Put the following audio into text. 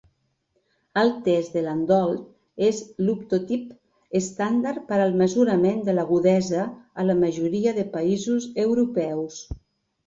El Test de Landolt és l'optotip estàndard per al mesurament de l'agudesa a la majoria de països europeus.